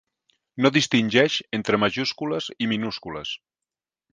No distingeix entre majúscules i minúscules.